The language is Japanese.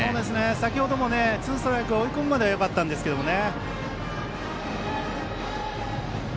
先ほどもツーストライクまで追い込むまではよかったんですけどもね。